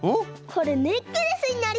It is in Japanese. これネックレスになりそう！